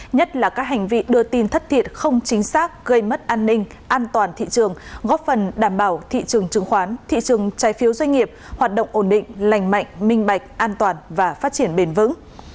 nhất là các hành vi đưa tin thất thiệt không chính xác gây mất an ninh an toàn thị trường góp phần đảm bảo thị trường chứng khoán thị trường trái phiếu doanh nghiệp hoạt động ổn định lành mạnh minh bạch an toàn và phát triển bền vững